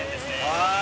はい。